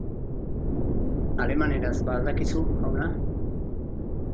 Alemaneraz ba al dakizu, jauna?